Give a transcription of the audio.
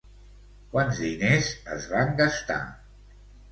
Quants diners es van gastar?